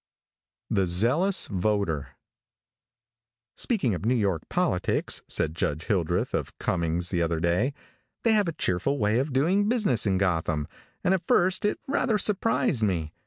THE ZEALOUS VOTER. |SPEAKING of New York politics," said Judge Hildreth, of Cummings, the other day, "they have a cheerful way of doing business in Gotham, and at first it rather surprised me.